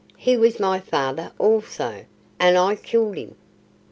He was my father also, and I killed him!"